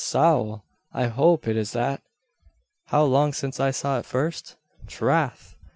Sowl! I hope it is that. How long since I saw it first? Trath!